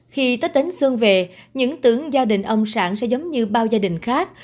khi tết đến xuân về những tưởng gia đình ông sản sẽ giống như bao gia đình khác